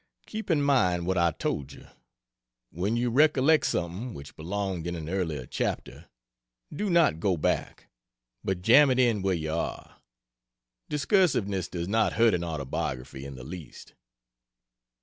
Keep in mind what I told you when you recollect something which belonged in an earlier chapter, do not go back, but jam it in where you are. Discursiveness does not hurt an autobiography in the least.